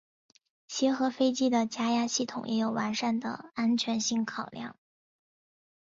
协和飞机的加压系统也有完善的安全性考量。